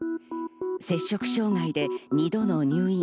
摂食障害で２度の入院。